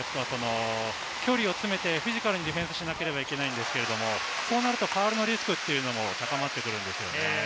距離を詰めてフィジカルでディフェンスしなければいけないですけど、そうなるとファウルのリスクも高まってきます。